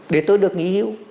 để tôi được nghỉ hiểu